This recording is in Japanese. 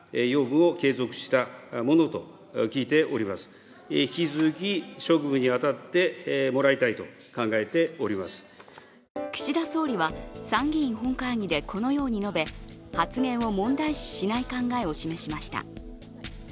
国会の場でも岸田総理は参議院本会議でこのように述べ発言を問題視しない考えを示しました。